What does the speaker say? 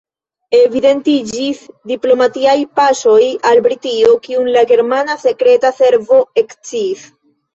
Evidentiĝis diplomatiaj paŝoj al Britio, kiun la germana sekreta servo eksciis.